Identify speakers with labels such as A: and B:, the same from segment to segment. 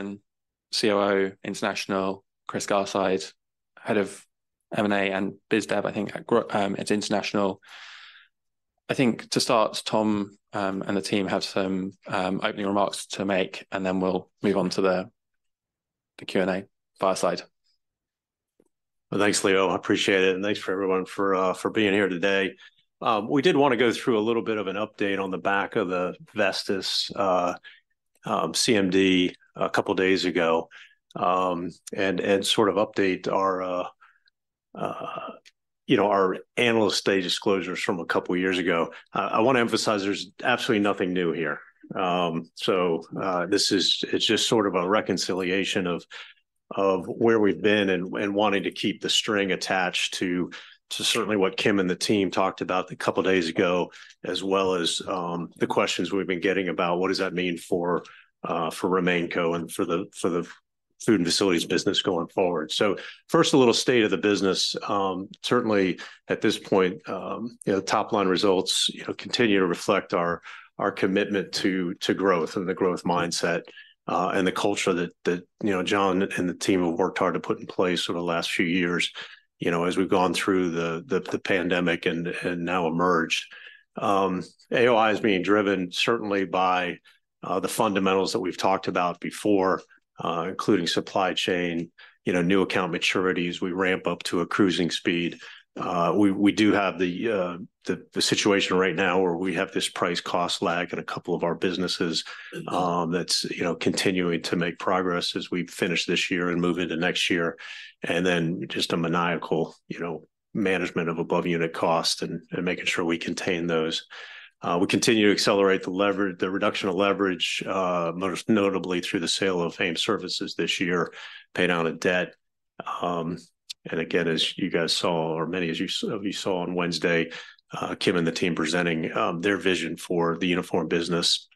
A: and COO International, Chris Garside, head of M&A and BizDev, I think at International. I think to start, Tom and the team have some opening remarks to make, and then we'll move on to the Q&A. Fireside.
B: Well, thanks, Leo, I appreciate it, and thanks for everyone for being here today. We did want to go through a little bit of an update on the back of the Vestis CMD a couple of days ago, and sort of update our, you know, our Analyst Day disclosures from a couple of years ago. I want to emphasize there's absolutely nothing new here. So, this is, it's just sort of a reconciliation of where we've been and wanting to keep the string attached to certainly what Kim and the team talked about a couple of days ago, as well as the questions we've been getting about what does that mean for RemainCo and for the food and facilities business going forward? So first, a little state of the business. Certainly at this point, you know, top-line results, you know, continue to reflect our, our commitment to, to growth and the growth mindset, and the culture that, that, you know, John and the team have worked hard to put in place over the last few years, you know, as we've gone through the, the, the pandemic and, and now emerged. AOI is being driven certainly by, the fundamentals that we've talked about before, including supply chain, you know, new account maturities. We ramp up to a cruising speed. We, we do have the, the, the situation right now where we have this price-cost lag in a couple of our businesses, that's, you know, continuing to make progress as we finish this year and move into next year. And then just a maniacal, you know, management of above unit cost and making sure we contain those. We continue to accelerate the leverage, the reduction of leverage, most notably through the sale of AUS this year, pay down the debt. And again, as you guys saw, or many as you saw on Wednesday, Kim and the team presenting their vision for the uniform business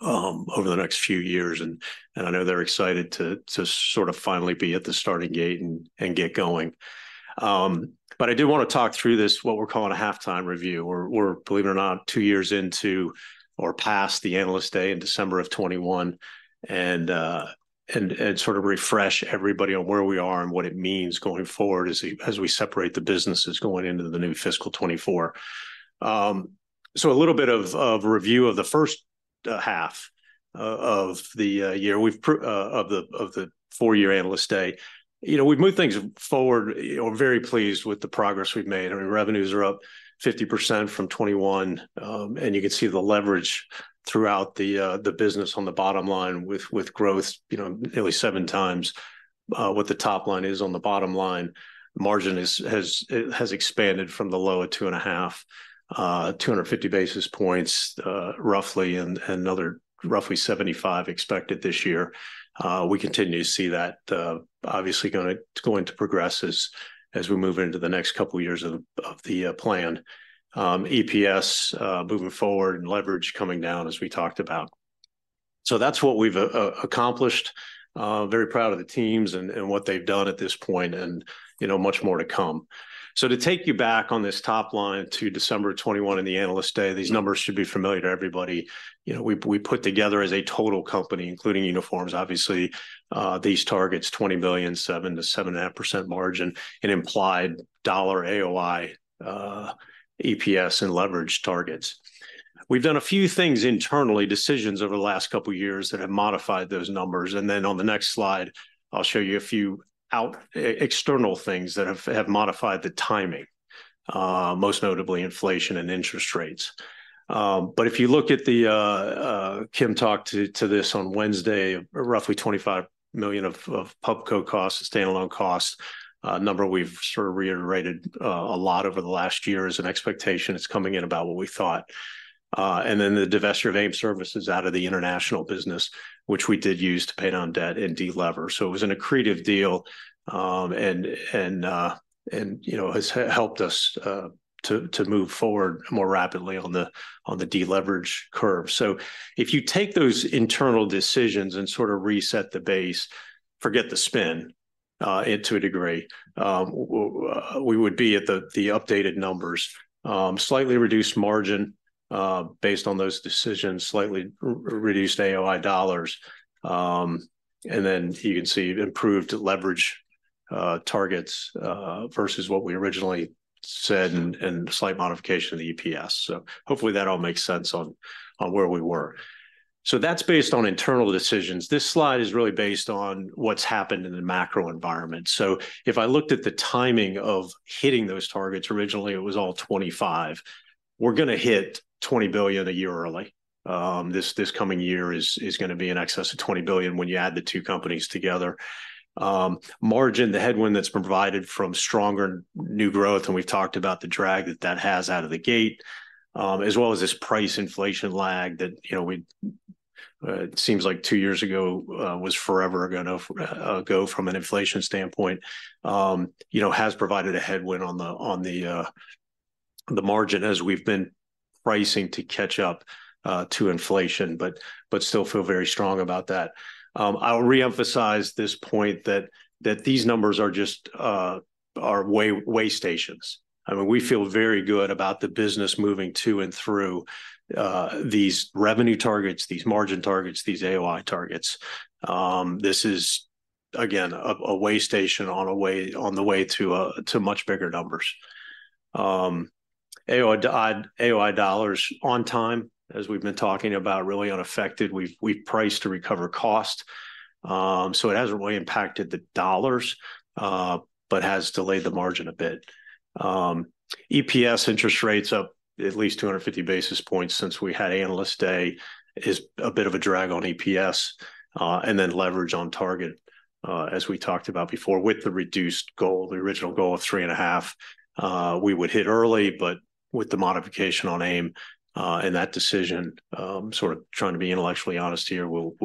B: over the next few years, and I know they're excited to sort of finally be at the starting gate and get going. But I do want to talk through this, what we're calling a halftime review. We're, believe it or not, two years into or past the Analyst Day in December of 2021, and sort of refresh everybody on where we are and what it means going forward as we separate the businesses going into the new FY 2024. So a little bit of review of the first half of the 4-year Analyst Day. You know, we've moved things forward. We're very pleased with the progress we've made. I mean, revenues are up 50% from 2021, and you can see the leverage throughout the business on the bottom line with growth, you know, nearly 7 times what the top line is on the bottom line. Margin has expanded from the low of 2.5, 250 basis points, roughly, and another roughly 75 expected this year. We continue to see that obviously going to progress as we move into the next couple of years of the plan. EPS moving forward and leverage coming down as we talked about. So that's what we've accomplished. Very proud of the teams and what they've done at this point, and you know, much more to come. So to take you back on this top line to December 2021 in the Analyst Day, these numbers should be familiar to everybody. You know, we put together as a total company, including uniforms, obviously, these targets, $20 billion, 7%-7.5% margin and implied dollar AOI, EPS and leverage targets. We've done a few things internally, decisions over the last couple of years that have modified those numbers, and then on the next slide, I'll show you a few external things that have modified the timing, most notably inflation and interest rates. But if you look at the, Kim talked to this on Wednesday, roughly $25 million of PUBCO costs, standalone cost number we've sort of reiterated a lot over the last year as an expectation. It's coming in about what we thought. And then the divestiture of AIM Services out of the international business, which we did use to pay down debt and delever. So it was an accretive deal, and, you know, has helped us to move forward more rapidly on the deleverage curve. So if you take those internal decisions and sort of reset the base, forget the spin, into a degree, we would be at the updated numbers, slightly reduced margin, based on those decisions, slightly reduced AOI dollars, and then you can see improved leverage targets versus what we originally said and slight modification of the EPS. So hopefully that all makes sense on where we were. So that's based on internal decisions. This slide is really based on what's happened in the macro environment. So if I looked at the timing of hitting those targets, originally, it was all 25. We're going to hit $20 billion a year early. This coming year is going to be in excess of $20 billion when you add the two companies together. Margin, the headwind that's provided from stronger new growth, and we've talked about the drag that that has out of the gate, as well as this price inflation lag that, you know, we seems like two years ago was forever ago ago from an inflation standpoint, you know, has provided a headwind on the margin as we've been pricing to catch up to inflation, but still feel very strong about that. I'll reemphasize this point that these numbers are just way stations. I mean, we feel very good about the business moving to and through these revenue targets, these margin targets, these AOI targets. This is again a waystation on the way to much bigger numbers. AOI dollars on time, as we've been talking about, really unaffected. We priced to recover cost. So it hasn't really impacted the dollars, but has delayed the margin a bit. EPS, interest rates up at least 250 basis points since we had Analyst Day, is a bit of a drag on EPS. And then leverage on target, as we talked about before, with the reduced goal, the original goal of 3.5, we would hit early, but with the modification on AIM, and that decision, sort of trying to be intellectually honest here, we'll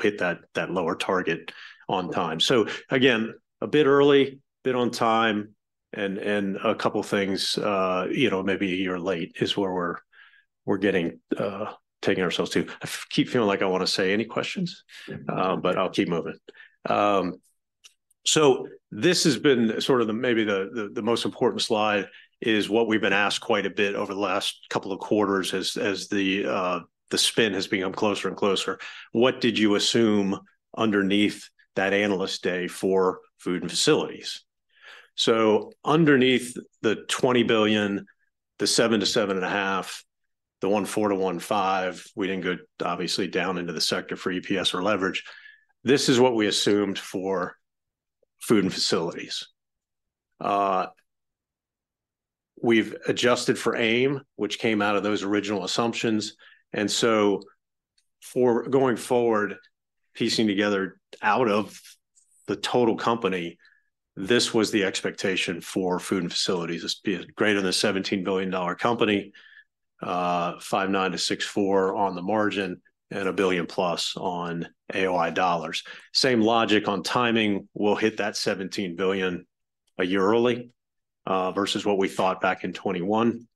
B: hit that lower target on time. So again, a bit early, bit on time, and a couple things, you know, maybe a year late is where we're getting, taking ourselves to. I keep feeling like I wanna say, "Any questions?" But I'll keep moving. So this has been sort of the maybe the most important slide, is what we've been asked quite a bit over the last couple of quarters as the spin has become closer and closer. What did you assume underneath that Analyst Day for food and facilities? So underneath the $20 billion, the 7-7.5, the 1.4-1.5, we didn't go obviously down into the sector for EPS or leverage. This is what we assumed for food and facilities. We've adjusted for AIM, which came out of those original assumptions, and so for going forward, piecing together out of the total company, this was the expectation for food and facilities. This being greater than $17 billion dollar company, 5.9-6.4 on the margin, and a billion plus on AOI dollars. Same logic on timing, we'll hit that $17 billion a year early, versus what we thought back in 2021.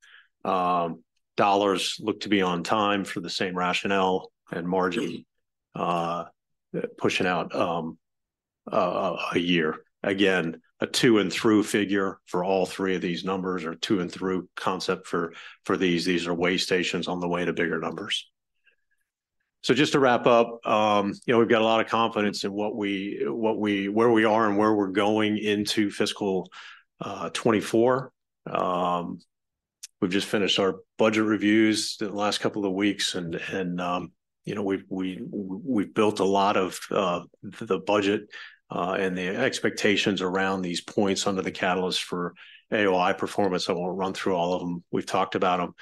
B: Dollars look to be on time for the same rationale, and margin pushing out a year. Again, a to-and-through figure for all three of these numbers, or to-and-through concept for these. These are way stations on the way to bigger numbers. So just to wrap up, you know, we've got a lot of confidence in where we are and where we're going into FY 2024. We've just finished our budget reviews the last couple of weeks and, you know, we've built a lot of the budget and the expectations around these points under the catalyst for AOI performance. I won't run through all of them, we've talked about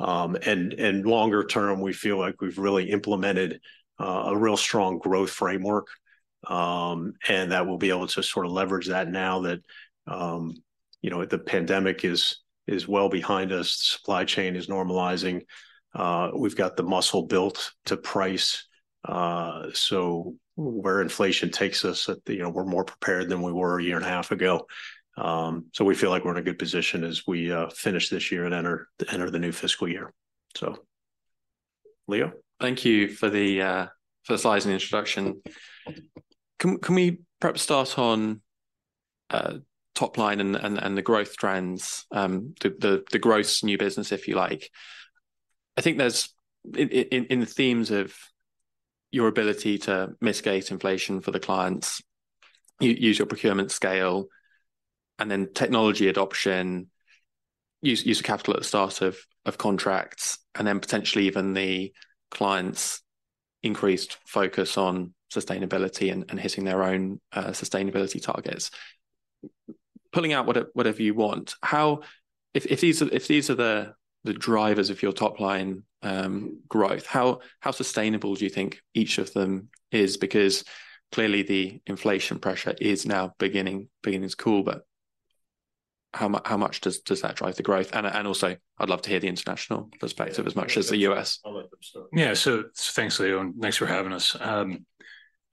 B: them. Longer term, we feel like we've really implemented a real strong growth framework, and that we'll be able to sort of leverage that now that you know, the pandemic is well behind us, supply chain is normalizing. We've got the muscle built to price, so where inflation takes us, you know, we're more prepared than we were a year and a half ago. So we feel like we're in a good position as we finish this year and enter the new fiscal year. So, Leo?
A: Thank you for the, for the slides and introduction. Can we perhaps start on top line and the growth trends, the growth new business, if you like? I think there's in the themes of your ability to mitigate inflation for the clients, use your procurement scale, and then technology adoption, use capital at the start of contracts, and then potentially even the clients' increased focus on sustainability and hitting their own sustainability targets. Pulling out whatever you want, if these are the drivers of your top line growth, how sustainable do you think each of them is? Because clearly, the inflation pressure is now beginning to cool, but how much does that drive the growth? Also, I'd love to hear the international perspective as much as the U.S.
B: All of them, so... Yeah. So thanks, Leo, and thanks for having us.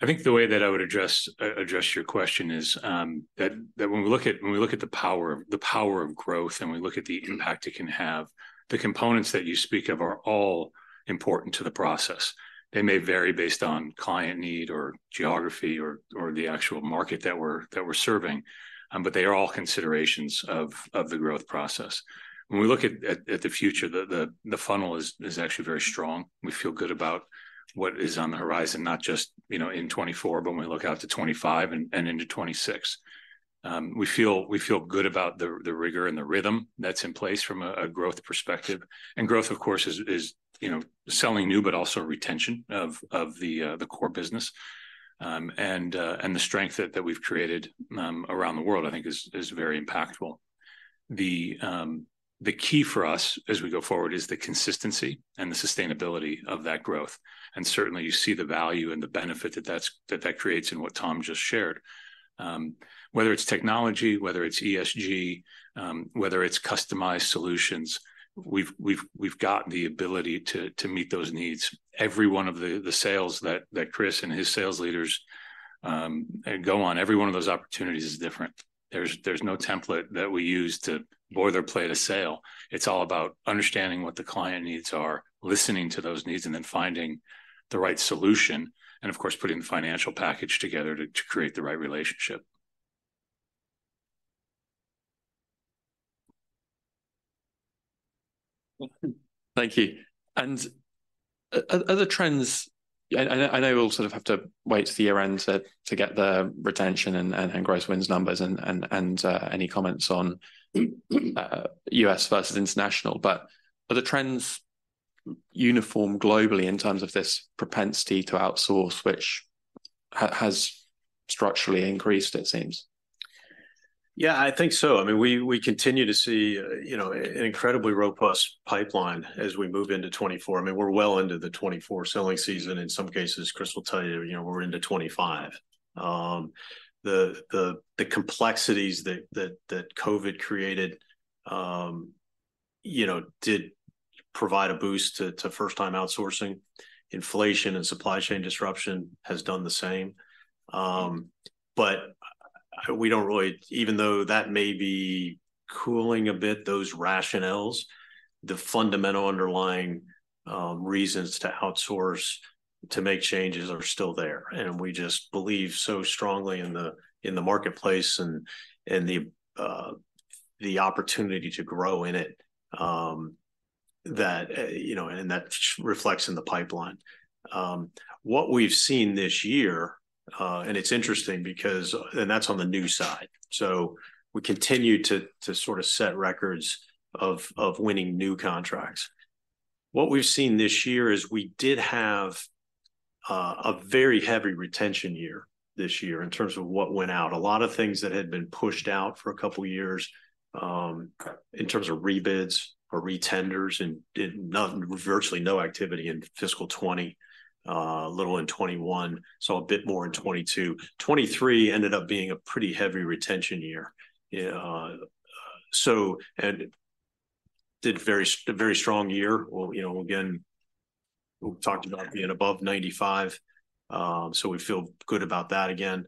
B: I think the way that I would address address your question is, that when we look at the power, the power of growth, and we look at the impact it can have, the components that you speak of are all important to the process. They may vary based on client need or geography or the actual market that we're serving, but they are all considerations of the growth process. When we look at the future, the funnel is actually very strong. We feel good about what is on the horizon, not just, you know, in 2024, but when we look out to 2025 and into 2026. We feel good about the rigor and the rhythm that's in place from a growth perspective. And growth, of course, is, you know, selling new, but also retention of the core business. And the strength that we've created around the world, I think is very impactful. The key for us as we go forward is the consistency and the sustainability of that growth. And certainly, you see the value and the benefit that that creates in what Tom just shared. Whether it's technology, whether it's ESG, whether it's customized solutions, we've got the ability to meet those needs. Every one of the sales that Chris and his sales leaders go on, every one of those opportunities is different. There's no template that we use to boilerplate the sale. It's all about understanding what the client needs are, listening to those needs, and then finding the right solution, and of course, putting the financial package together to create the right relationship. ...
A: Thank you. And other trends, I know we all sort of have to wait till the year end to get the retention and gross wins numbers and any comments on US versus international. But are the trends uniform globally in terms of this propensity to outsource, which has structurally increased, it seems?
B: Yeah, I think so. I mean, we continue to see, you know, an incredibly robust pipeline as we move into 2024. I mean, we're well into the 2024 selling season. In some cases, Chris will tell you, you know, we're into 2025. The complexities that COVID created, you know, did provide a boost to first-time outsourcing. Inflation and supply chain disruption has done the same. But we don't really- even though that may be cooling a bit, those rationales, the fundamental underlying reasons to outsource, to make changes are still there, and we just believe so strongly in the marketplace and the opportunity to grow in it, that... You know, and that reflects in the pipeline. What we've seen this year, and it's interesting because... That's on the new side. So we continue to sort of set records of winning new contracts. What we've seen this year is we did have a very heavy retention year this year in terms of what went out. A lot of things that had been pushed out for a couple of years in terms of rebid or re-tenders, and did nothing, virtually no activity in fiscal 2020, a little in 2021, saw a bit more in 2022. 2023 ended up being a pretty heavy retention year. Yeah, and did a very strong year. Well, you know, again, we've talked about being above 95, so we feel good about that again.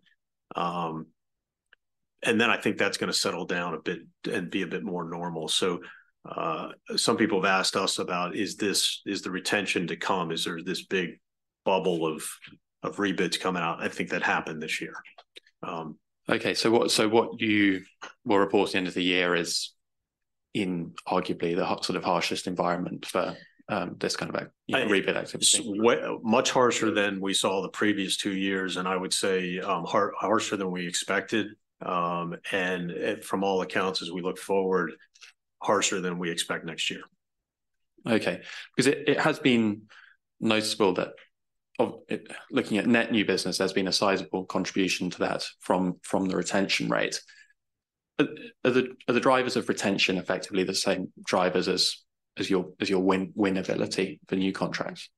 B: And then I think that's gonna settle down a bit and be a bit more normal. So, some people have asked us about, is this, is the retention to come? Is there this big bubble of rebids coming out? I think that happened this year.
A: Okay, so what, so what you will report at the end of the year is inarguably the sort of harshest environment for this kind of a rebid activity?
B: Well, much harsher than we saw the previous two years, and I would say harsher than we expected. From all accounts, as we look forward, harsher than we expect next year.
A: Okay. Because it has been noticeable that of it, looking at net new business, there's been a sizable contribution to that from the retention rate. But are the drivers of retention effectively the same drivers as your win-winnability for new contracts?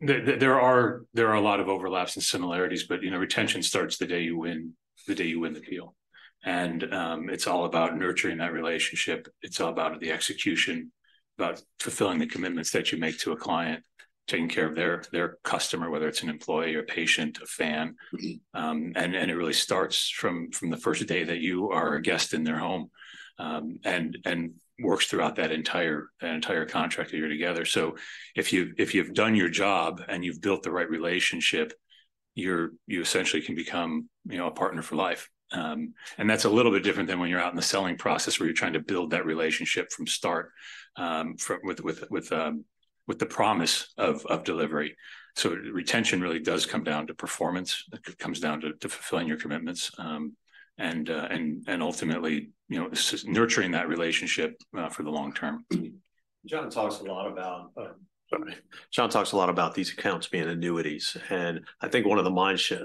C: There are a lot of overlaps and similarities, but, you know, retention starts the day you win, the day you win the deal. And, it's all about nurturing that relationship. It's all about the execution, about fulfilling the commitments that you make to a client, taking care of their customer, whether it's an employee, a patient, a fan.
A: Mm-hmm.
C: And it really starts from the first day that you are a guest in their home, and works throughout that entire contract year together. So if you've done your job and you've built the right relationship, you're essentially can become, you know, a partner for life. And that's a little bit different than when you're out in the selling process, where you're trying to build that relationship from start, from with the promise of delivery. So retention really does come down to performance, it comes down to fulfilling your commitments, and ultimately, you know, nurturing that relationship for the long term.
B: John talks a lot about. Sorry. John talks a lot about these accounts being annuities, and I think one of the mindset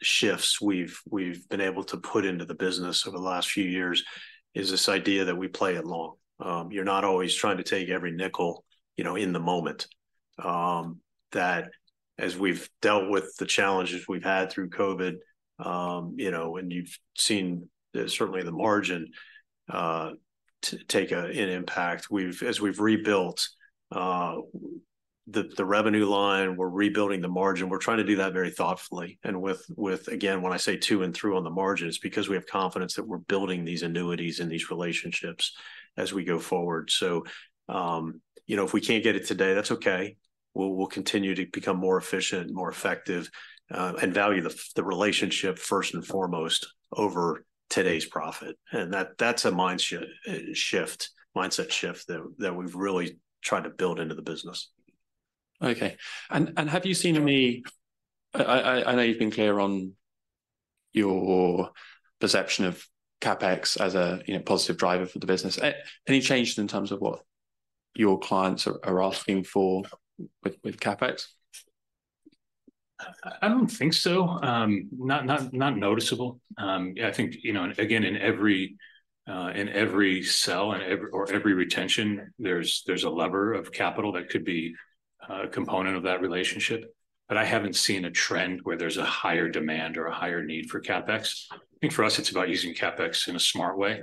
B: shifts we've been able to put into the business over the last few years is this idea that we play it long. You're not always trying to take every nickel, you know, in the moment. That as we've dealt with the challenges we've had through COVID, you know, and you've seen certainly the margin to take an impact. As we've rebuilt the revenue line, we're rebuilding the margin. We're trying to do that very thoughtfully, and with, again, when I say to and through on the margin, it's because we have confidence that we're building these annuities and these relationships as we go forward. So, you know, if we can't get it today, that's okay. We'll continue to become more efficient, more effective, and value the relationship first and foremost over today's profit. And that's a mindset shift that we've really tried to build into the business.
A: Okay. And have you seen any... I know you've been clear on your perception of CapEx as a, you know, positive driver for the business. Any changes in terms of what your clients are asking for with CapEx?
C: I don't think so. Not noticeable. I think, you know, and again, in every sell and every retention, there's a lever of capital that could be a component of that relationship, but I haven't seen a trend where there's a higher demand or a higher need for CapEx. I think for us, it's about using CapEx in a smart way.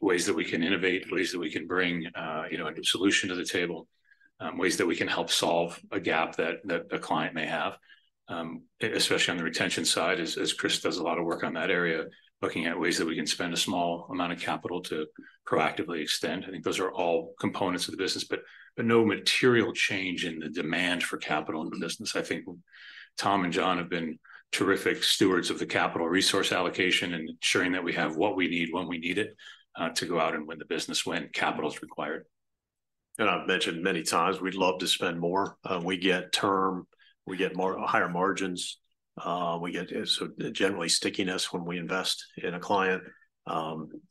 C: Ways that we can innovate, ways that we can bring, you know, a good solution to the table, ways that we can help solve a gap that a client may have. Especially on the retention side, as Chris does a lot of work on that area, looking at ways that we can spend a small amount of capital to proactively extend. I think those are all components of the business, but no material change in the demand for capital in the business. I think Tom and John have been terrific stewards of the capital resource allocation and ensuring that we have what we need, when we need it, to go out and win the business when capital is required.
A: and I've mentioned many times, we'd love to spend more. We get term, we get higher margins, so generally stickiness when we invest in a client.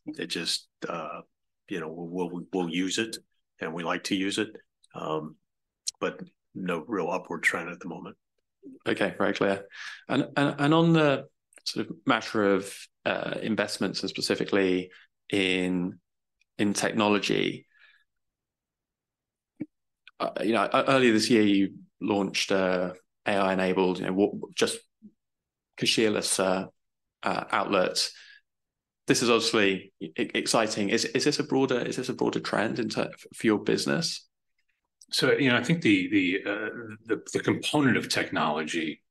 A: It just, you know, we'll use it, and we like to use it, but no real upward trend at the moment. Okay, very clear. And on the sort of matter of investments and specifically in technology, you know, earlier this year, you launched an AI-enabled, you know, just cashierless outlets. This is obviously exciting. Is this a broader trend in tech for your business?
C: So, you know, I think the component of technology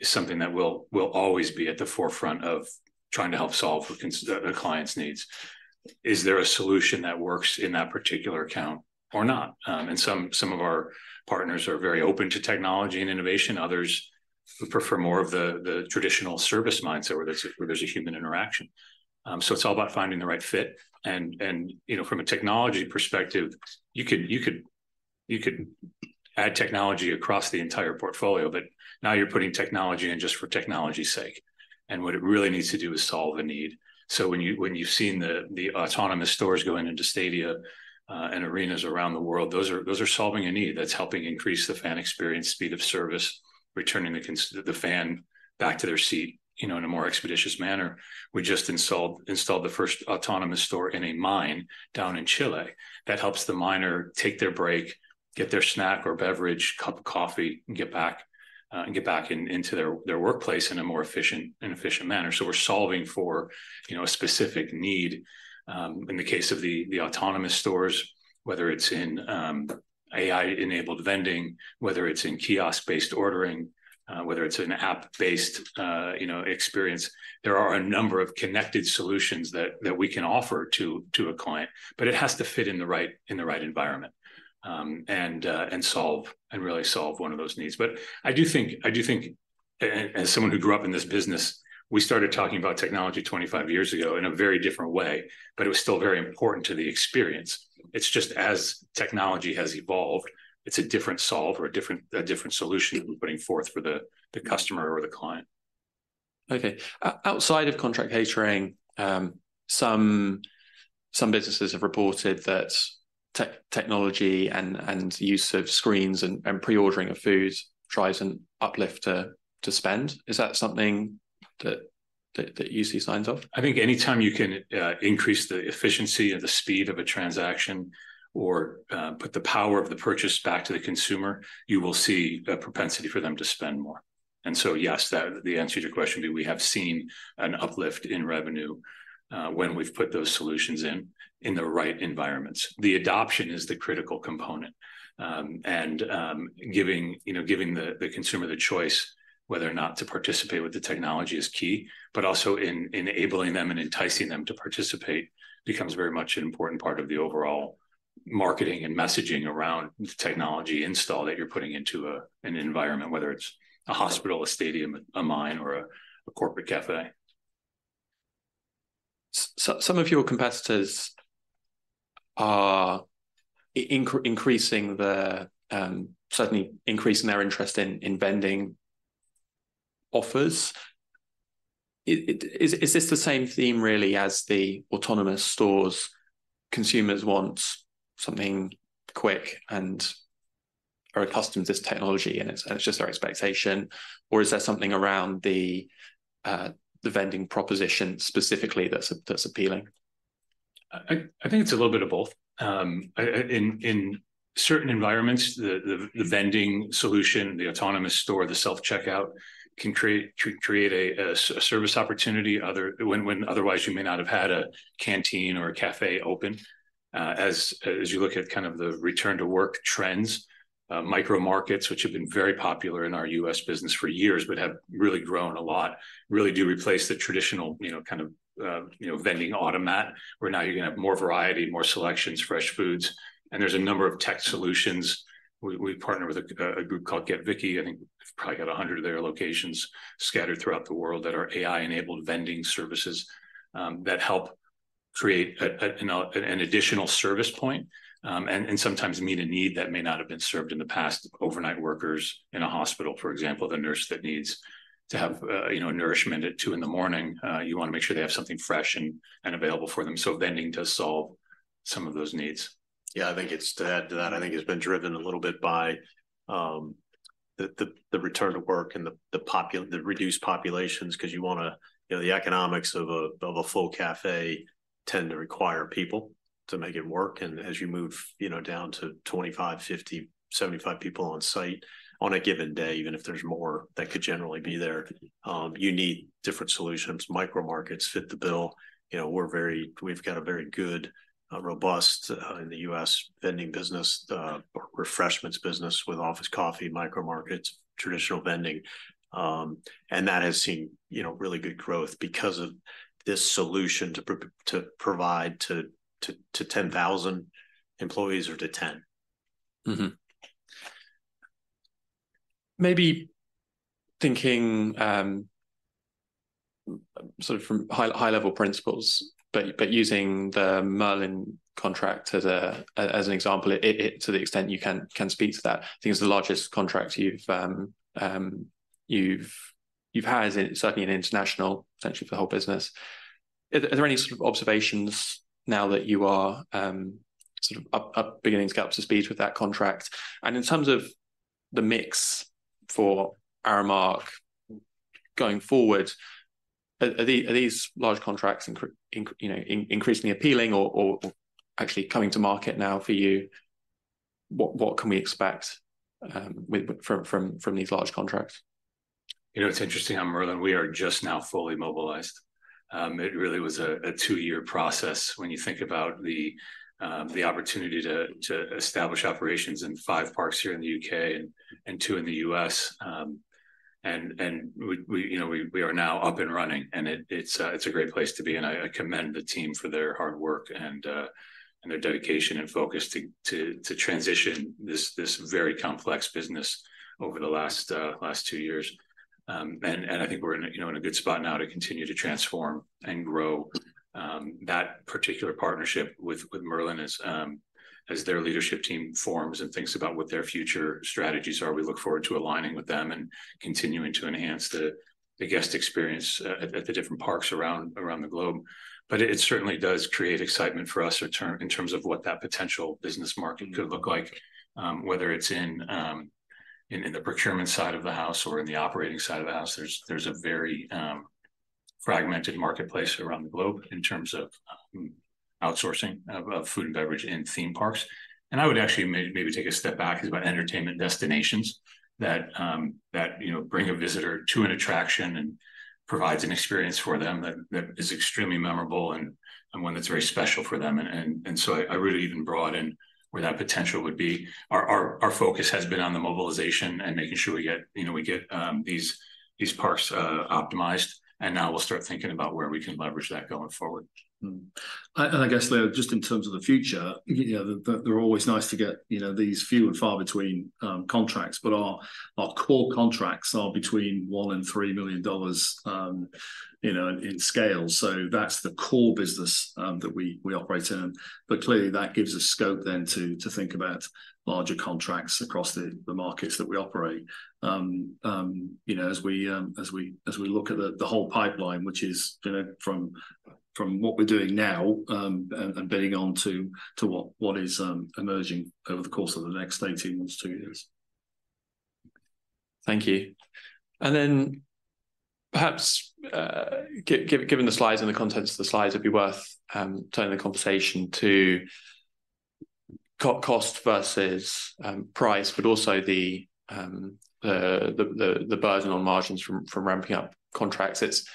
C: is something that will always be at the forefront of trying to help solve the client's needs. Is there a solution that works in that particular account or not? And some of our partners are very open to technology and innovation, others who prefer more of the traditional service mindset, where there's a human interaction. So it's all about finding the right fit. And you know, from a technology perspective, you could add technology across the entire portfolio, but now you're putting technology in just for technology's sake, and what it really needs to do is solve a need. So when you've seen the autonomous stores go into stadia and arenas around the world, those are solving a need that's helping increase the fan experience, speed of service, returning the fan back to their seat, you know, in a more expeditious manner. We just installed the first autonomous store in a mine down in Chile. That helps the miner take their break, get their snack or beverage, cup of coffee, and get back and get back into their workplace in an efficient manner. So we're solving for, you know, a specific need. In the case of the autonomous stores, whether it's in the AI-enabled vending, whether it's in kiosk-based ordering, whether it's an app-based, you know, experience, there are a number of connected solutions that we can offer to a client, but it has to fit in the right environment, and really solve one of those needs. But I do think, as someone who grew up in this business, we started talking about technology 25 years ago in a very different way, but it was still very important to the experience. It's just as technology has evolved, it's a different solve or a different solution that we're putting forth for the customer or the client.
A: Okay. Outside of contract catering, some businesses have reported that technology and use of screens and pre-ordering of foods drives an uplift to spend. Is that something that you see signs of?
C: I think anytime you can increase the efficiency and the speed of a transaction or put the power of the purchase back to the consumer, you will see a propensity for them to spend more. And so, yes, that, the answer to your question, we have seen an uplift in revenue when we've put those solutions in, in the right environments. The adoption is the critical component. And giving, you know, giving the consumer the choice whether or not to participate with the technology is key, but also enabling them and enticing them to participate becomes very much an important part of the overall marketing and messaging around the technology install that you're putting into an environment, whether it's a hospital, a stadium, a mine, or a corporate café.
A: Some of your competitors are increasing their interest in vending offers. Is this the same theme really as the autonomous stores, consumers want something quick and are accustomed to this technology, and it's just their expectation, or is there something around the vending proposition specifically that's appealing?
C: I think it's a little bit of both. In certain environments, the vending solution, the autonomous store, the self-checkout can create a service opportunity, otherwise when you may not have had a canteen or a café open. As you look at kind of the return-to-work trends, micro markets, which have been very popular in our U.S. business for years, but have really grown a lot, really do replace the traditional, you know, kind of, you know, vending automat, where now you're going to have more variety, more selections, fresh foods, and there's a number of tech solutions. We partner with a group called Get VICKI. I think it's probably got 100 of their locations scattered throughout the world that are AI-enabled vending services that help create an additional service point, and sometimes meet a need that may not have been served in the past. Overnight workers in a hospital, for example, the nurse that needs to have, you know, nourishment at 2:00 A.M., you want to make sure they have something fresh and available for them, so vending does solve some of those needs.
B: Yeah, I think it's to add to that, I think it's been driven a little bit by the return to work and the reduced populations, 'cause you wanna you know, the economics of a full café tend to require people to make it work, and as you move, you know, down to 25, 50, 75 people on site on a given day, even if there's more that could generally be there, you need different solutions. Micro markets fit the bill. You know, we've got a very good robust in the U.S. vending business, refreshments business with office coffee, micro markets, traditional vending. And that has seen, you know, really good growth because of this solution to provide to 10,000 employees or to 10.
A: Mm-hmm. Maybe thinking sort of from high, high-level principles, but using the Merlin contract as an example, to the extent you can speak to that. I think it's the largest contract you've had. Is it certainly an international, potentially for the whole business. Are there any sort of observations now that you are sort of beginning to get up to speed with that contract? And in terms of the mix for Aramark going forward, are these large contracts you know, increasingly appealing or actually coming to market now for you? What can we expect from these large contracts?
C: You know, it's interesting. On Merlin, we are just now fully mobilized. It really was a two-year process when you think about the opportunity to establish operations in five parks here in the U.K. and two in the U.S. And we, you know, we are now up and running, and it's a great place to be, and I commend the team for their hard work and their dedication and focus to transition this very complex business over the last two years. And I think we're in a good spot now, you know, to continue to transform and grow that particular partnership with Merlin as their leadership team forms and thinks about what their future strategies are. We look forward to aligning with them and continuing to enhance the guest experience at the different parks around the globe. But it certainly does create excitement for us returning in terms of what that potential business market could look like. Whether it's in the procurement side of the house or in the operating side of the house, there's a very fragmented marketplace around the globe in terms of outsourcing of food and beverage in theme parks. And I would actually maybe take a step back, is about entertainment destinations that you know bring a visitor to an attraction and provides an experience for them that is extremely memorable and one that's very special for them. And so I really even broaden where that potential would be. Our focus has been on the mobilization and making sure we get, you know, these parks optimized, and now we'll start thinking about where we can leverage that going forward.
D: I guess just in terms of the future, you know, they're always nice to get, you know, these few and far between contracts, but our core contracts are between $1 million and $3 million, you know, in scale. So that's the core business that we operate in. But clearly, that gives us scope then to think about larger contracts across the markets that we operate. You know, as we look at the whole pipeline, which is, you know, from what we're doing now and building on to what is emerging over the course of the next 18 months to two years.
A: Thank you. Then perhaps, given the slides and the contents of the slides, it'd be worth turning the conversation to cost versus price, but also the burden on margins from ramping up contracts. It's...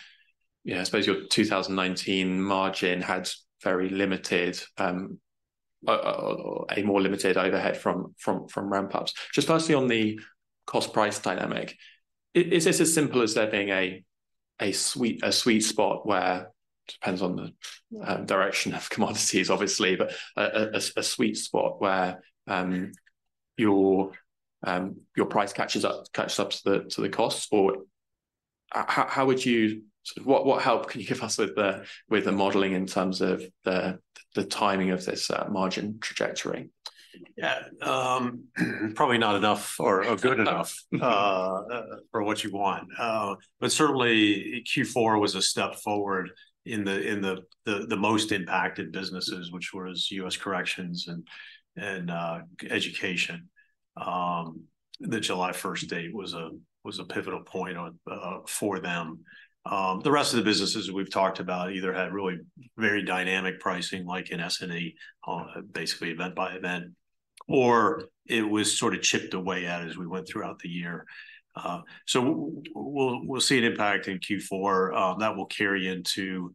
A: Yeah, I suppose your 2019 margin had very limited, a more limited overhead from ramp-ups. Just lastly, on the cost-price dynamic, is this as simple as there being a sweet spot where, depends on the direction of commodities, obviously, but a sweet spot where your price catches up to the costs? Or how would you... What help can you give us with the modeling in terms of the timing of this margin trajectory?
B: Yeah, probably not enough or good enough for what you want. But certainly, Q4 was a step forward in the most impacted businesses, which was U.S. corrections and education. The July first date was a pivotal point for them. The rest of the businesses we've talked about either had really very dynamic pricing, like in S&E, basically event by event, or it was sort of chipped away at as we went throughout the year. So we'll see an impact in Q4 that will carry into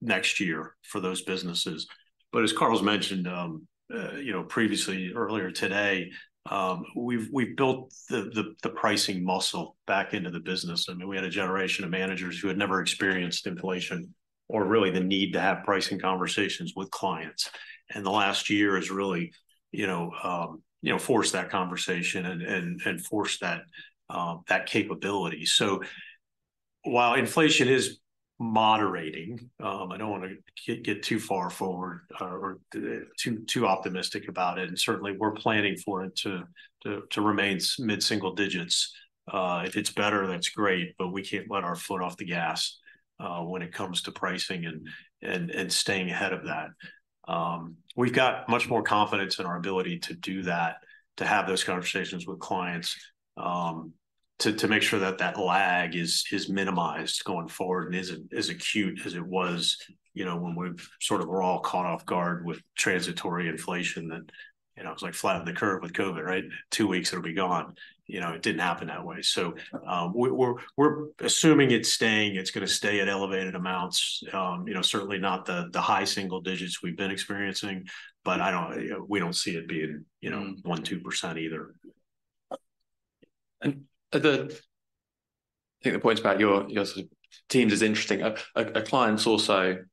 B: next year for those businesses. But as Carl mentioned, you know, previously, earlier today, we've built the pricing muscle back into the business. I mean, we had a generation of managers who had never experienced inflation or really the need to have pricing conversations with clients. And the last year has really, you know, forced that conversation and forced that capability. So while inflation is moderating, I don't want to get too far forward or too optimistic about it, and certainly, we're planning for it to remain mid-single digits. If it's better, that's great, but we can't let our foot off the gas when it comes to pricing and staying ahead of that. We've got much more confidence in our ability to do that, to have those conversations with clients, to make sure that that lag is minimized going forward, and isn't as acute as it was, you know, when we've sort of were all caught off guard with transitory inflation. That, you know, it was like flattening the curve with COVID, right? Two weeks, it'll be gone. You know, it didn't happen that way. So, we're assuming it's staying, it's gonna stay at elevated amounts, you know, certainly not the high single digits we've been experiencing, but I don't... We don't see it being, you know-
A: Mm...
B: 1-2% either.
A: I think the point about your sort of teams is interesting. A client's also,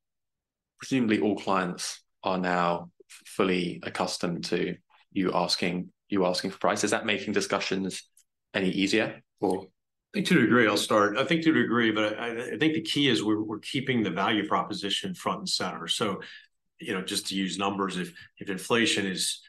A: presumably all clients are now fully accustomed to you asking for price. Is that making discussions any easier or?
B: I think to a degree, I'll start. I think to a degree, but I think the key is we're keeping the value proposition front and center. So, you know, just to use numbers, if inflation is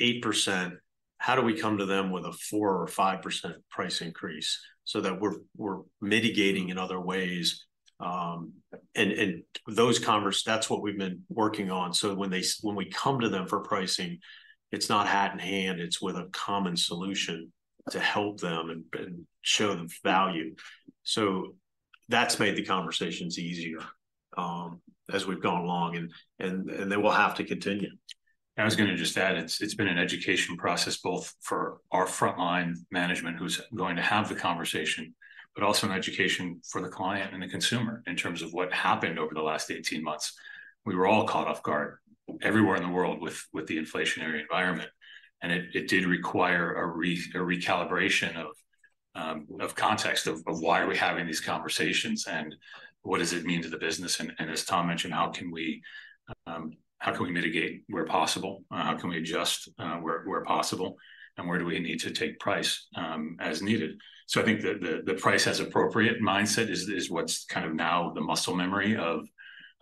B: 8%, how do we come to them with a 4% or 5% price increase? So that we're mitigating in other ways. And those conversations, that's what we've been working on. So when they—when we come to them for pricing, it's not hat in hand, it's with a common solution to help them and show them value. So that's made the conversations easier, as we've gone along, and they will have to continue.
C: I was gonna just add, it's been an education process both for our frontline management, who's going to have the conversation, but also an education for the client and the consumer in terms of what happened over the last 18 months. We were all caught off guard everywhere in the world with the inflationary environment, and it did require a recalibration of context of why are we having these conversations, and what does it mean to the business? And as Tom mentioned, how can we mitigate where possible? How can we adjust where possible, and where do we need to take price as needed? So I think the price as appropriate mindset is what's kind of now the muscle memory of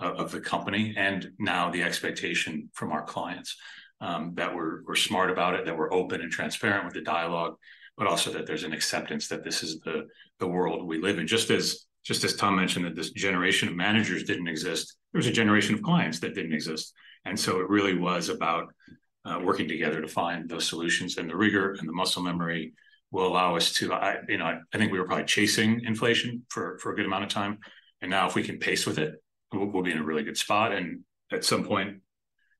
C: the company, and now the expectation from our clients. That we're smart about it, that we're open and transparent with the dialogue, but also that there's an acceptance that this is the world we live in. Just as Tom mentioned, that this generation of managers didn't exist, there was a generation of clients that didn't exist. And so it really was about working together to find those solutions, and the rigor and the muscle memory will allow us to... I, you know, I think we were probably chasing inflation for, for a good amount of time, and now if we can pace with it, we-we'll be in a really good spot, and at some point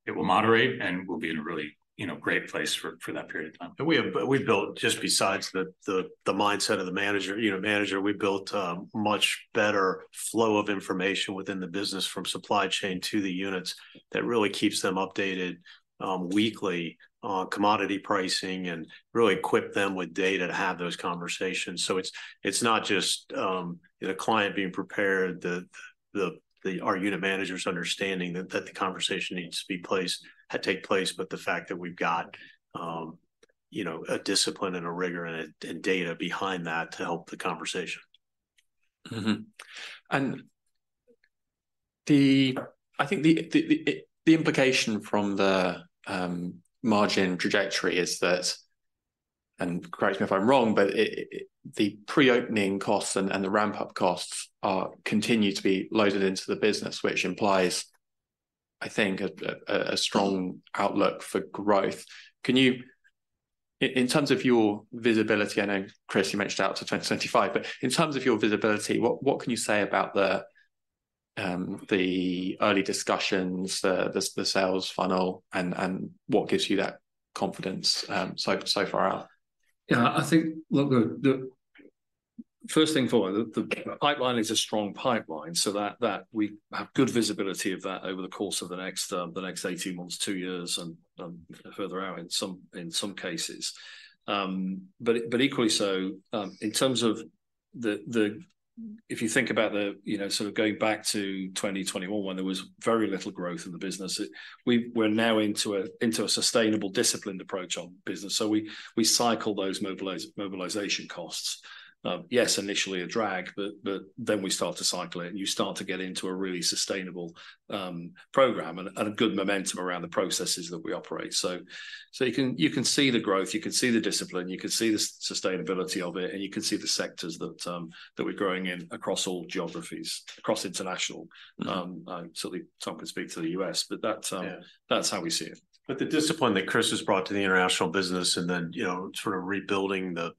C: it will moderate, and we'll be in a really, you know, great place for, for that period of time.
B: We've built just besides the mindset of the manager, you know, manager, a much better flow of information within the business from supply chain to the units that really keeps them updated weekly on commodity pricing and really equip them with data to have those conversations. So it's not just the client being prepared, our unit managers understanding that the conversation needs to take place, but the fact that we've got, you know, a discipline and a rigor and data behind that to help the conversation.
A: Mm-hmm. And the—I think the implication from the margin trajectory is that, and correct me if I'm wrong, but it... The pre-opening costs and the ramp-up costs continue to be loaded into the business, which implies, I think, a strong outlook for growth. Can you, in terms of your visibility, I know, Chris, you mentioned out to 2025, but in terms of your visibility, what can you say about the early discussions, the sales funnel, and what gives you that confidence so far out?
D: Yeah, I think, look, the first thing for it, the pipeline is a strong pipeline, so that we have good visibility of that over the course of the next 18 months to two years, and further out in some cases. But equally so, in terms of the... If you think about the, you know, sort of going back to 2021, when there was very little growth in the business, we're now into a sustainable, disciplined approach on business. So we cycle those mobilization costs. Yes, initially a drag, but then we start to cycle it, and you start to get into a really sustainable program and a good momentum around the processes that we operate. So you can see the growth, you can see the discipline, you can see the sustainability of it, and you can see the sectors that we're growing in across all geographies, across international.
A: Mm-hmm.
D: So Tom can speak to the U.S., but that's
B: Yeah...
D: that's how we see it.
B: But the discipline that Chris has brought to the international business and then, you know, sort of rebuilding the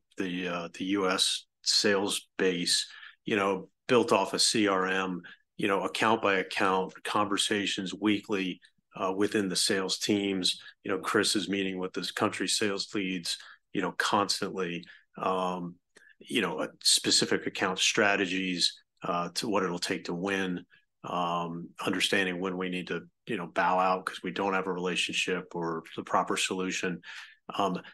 B: U.S. sales base, you know, built off a CRM, you know, account by account, conversations weekly within the sales teams. You know, Chris is meeting with the country sales leads, you know, constantly. You know, specific account strategies to what it'll take to win. Understanding when we need to, you know, bow out because we don't have a relationship or the proper solution.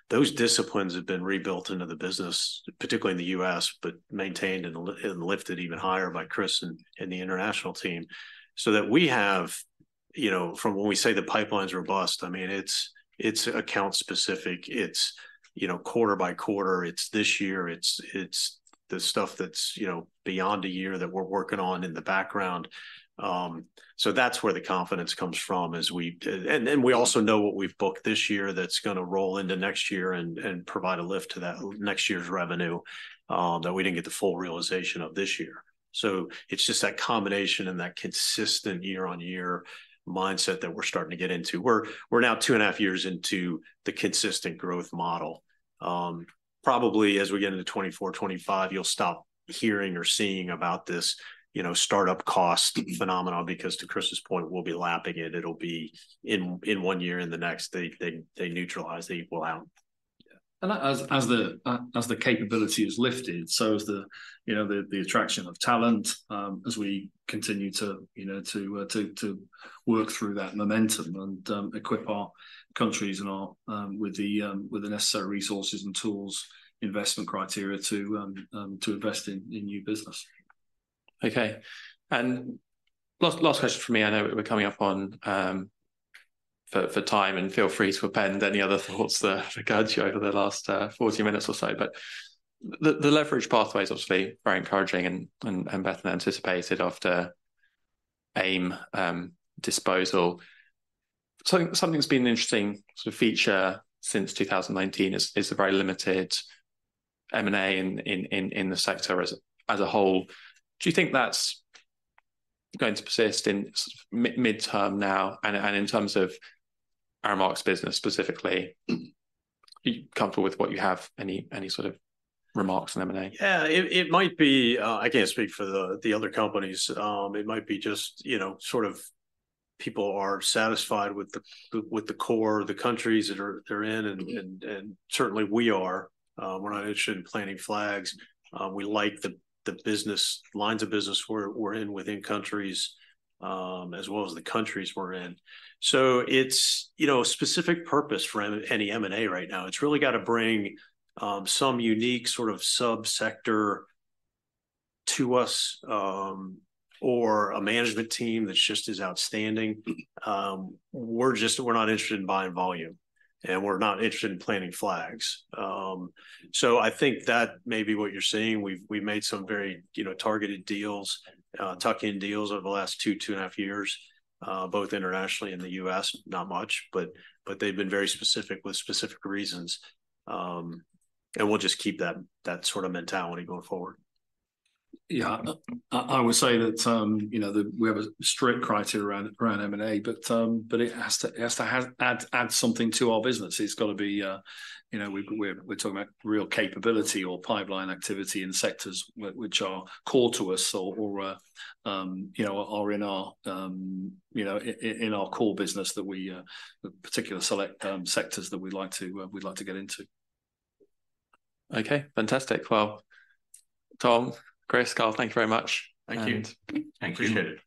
B: Those disciplines have been rebuilt into the business, particularly in the U.S., but maintained and lifted even higher by Chris and the international team. So that we have, you know, from when we say the pipeline's robust, I mean, it's account specific, you know, quarter by quarter, it's this year, it's the stuff that's, you know, beyond a year that we're working on in the background. So that's where the confidence comes from as we... We also know what we've booked this year that's gonna roll into next year and provide a lift to that next year's revenue, that we didn't get the full realization of this year. So it's just that combination and that consistent year-on-year mindset that we're starting to get into. We're now two and a half years into the consistent growth model. Probably as we get into 2024, 2025, you'll stop hearing or seeing about this, you know, start-up cost phenomenon, because to Chris's point, we'll be lapping it. It'll be in one year. In the next, they neutralize. They equal out.
D: Yeah. And as the capability is lifted, so is the, you know, the attraction of talent, as we continue to, you know, to work through that momentum and equip our countries and our with the necessary resources and tools, investment criteria to invest in new business....
A: Okay, and last, last question for me. I know we're coming up on for time, and feel free to append any other thoughts that occurred to you over the last 40 minutes or so. But the leverage pathway is obviously very encouraging and better than anticipated after AIM disposal. So something that's been an interesting sort of feature since 2019 is the very limited M&A in the sector as a whole. Do you think that's going to persist in midterm now? And in terms of Aramark's business specifically, are you comfortable with what you have? Any sort of remarks on M&A?
B: Yeah, it might be... I can't speak for the other companies. It might be just, you know, sort of people are satisfied with the core, the countries that they're in, and-
A: Mm-hmm...
B: and certainly we are. We're not interested in planting flags. We like the business lines of business we're in within countries, as well as the countries we're in. So it's, you know, a specific purpose for any M&A right now. It's really got to bring some unique sort of sub-sector to us, or a management team that's just as outstanding. We're just not interested in buying volume, and we're not interested in planting flags. So I think that may be what you're seeing. We've made some very, you know, targeted deals, tuck-in deals over the last two and a half years, both internationally and in the U.S., not much, but they've been very specific with specific reasons. And we'll just keep that sort of mentality going forward.
D: Yeah. I would say that, you know, we have a strict criteria around M&A, but it has to add something to our business. It's got to be, you know, we're talking about real capability or pipeline activity in sectors which are core to us or, you know, are in our core business that we particular select sectors that we'd like to get into.
A: Okay, fantastic. Well, Tom, Chris, Carl, thank you very much.
B: Thank you.
C: Thank you. Appreciate it.